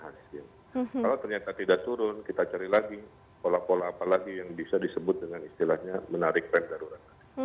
kalau ternyata tidak turun kita cari lagi pola pola apa lagi yang bisa disebut dengan istilahnya menarik rem darurat